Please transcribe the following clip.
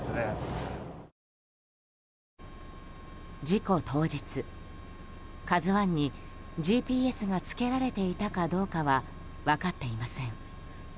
事故当日、「ＫＡＺＵ１」にＧＰＳがつけられていたかどうかは分かっていません。